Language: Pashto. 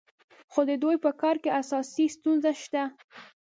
خو د دوی په کار کې اساسي ستونزه شته.